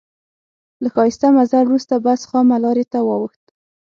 له ښایسته مزل وروسته بس خامه لارې ته واوښت.